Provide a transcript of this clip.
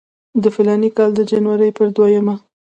د فلاني کال د جنورۍ پر دویمه.